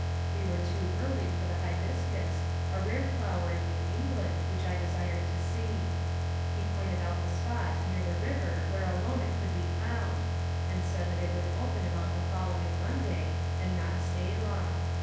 We were too early for the hibiscus^ a rare flower in New England, which I desired to see. He pointed out the spot near the river where alone it could be found, and said it would open about the following Monday and not stay long.